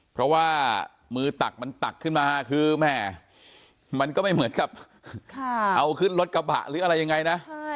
เพราะว่ามือตักมันตักขึ้นมาคือแม่มันก็ไม่เหมือนกับเอาขึ้นรถกระบะหรืออะไรยังไงนะ